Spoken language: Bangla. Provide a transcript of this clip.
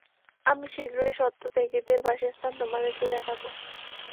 আমি শীঘ্রই সত্য-ত্যাগীদের বাসস্থান তোমাদেরকে দেখাব।